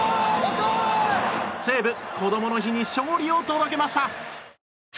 西武、こどもの日に勝利を届けました！